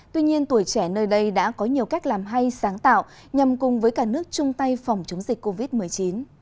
tuy nhiên tuổi trẻ nơi đây đã có nhiều cách làm hay sáng tạo nhằm cùng với cả nước chung tay phòng chống dịch covid một mươi chín